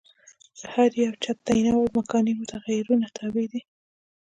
د هر یوه چت تعینول مکاني متغیرونو تابع دي.